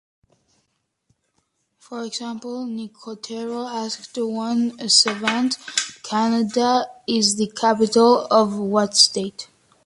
For example, Nicotero asked one savant, Canada is the capital of what state?